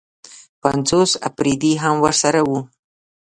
پنځوس اپرېدي هم ورسره وو.